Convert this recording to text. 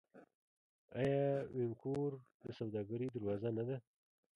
آیا وینکوور د سوداګرۍ دروازه نه ده؟